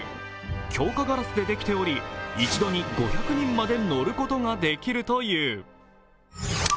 強化ガラスでできており、一度に５００人まで乗ることができるという。